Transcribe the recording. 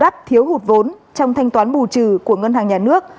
ngay bù đắp thiếu hụt vốn trong thanh toán bù trừ của ngân hàng nhà nước